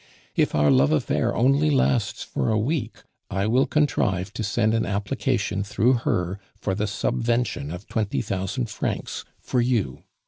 If our love affair only lasts for a week, I will contrive to send an application through her for the subvention of twenty thousand francs for you.